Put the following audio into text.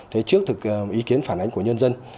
thế trước thực ý kiến phản ánh của nhân dân